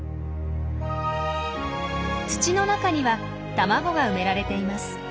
土の中には卵が埋められています。